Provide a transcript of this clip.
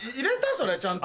それちゃんと。